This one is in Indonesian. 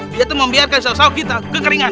dia tuh membiarkan sasawa kita kekeringan